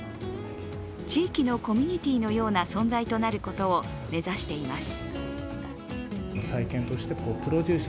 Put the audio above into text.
地域のコミュニティーのような存在となることを目指しています。